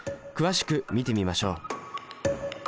詳しく見てみましょう。